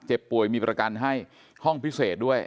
ป่วยมีประกันให้ห้องพิเศษด้วย